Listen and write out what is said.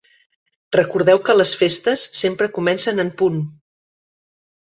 Recordeu que les festes sempre comencen en punt.